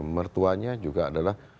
mertuanya juga adalah